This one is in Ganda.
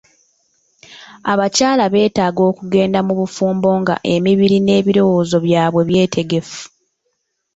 Abakyala betaaga okugenda mu bufumbo nga emibiri n'ebirowozo byabwe byetegefu.